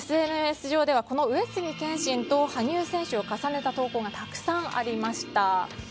ＳＮＳ上では上杉謙信と羽生選手を重ねた投稿がたくさんありました。